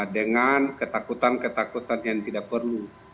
dengan ketakutan ketakutan yang tidak perlu